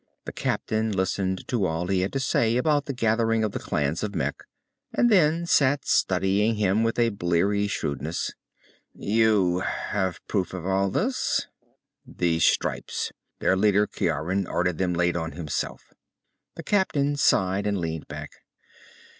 The captain listened to all he had to say about the gathering of the clans of Mekh, and then sat studying him with a bleary shrewdness. "You have proof of all this?" "These stripes. Their leader Ciaran ordered them laid on himself." The captain sighed, and leaned back.